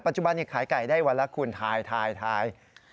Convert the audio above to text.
ปัจจุบันนี้ขายไก่ได้วันละคุณทายทายทาย